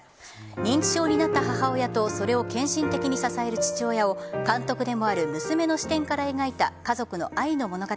認知症になった母親とそれを献身的に支える父親を監督でもある娘の視点から描いた家族の愛の物語。